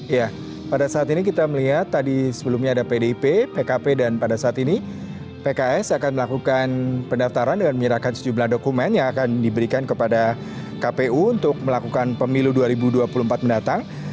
ya pada saat ini kita melihat tadi sebelumnya ada pdip pkp dan pada saat ini pks akan melakukan pendaftaran dengan menyerahkan sejumlah dokumen yang akan diberikan kepada kpu untuk melakukan pemilu dua ribu dua puluh empat mendatang